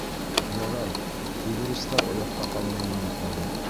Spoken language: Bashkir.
Ярай, фигуристар оятҡа ҡалдырманы әле.